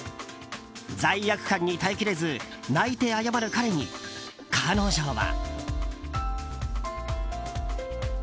罪悪感に耐え切れず泣いて謝る彼に彼女は。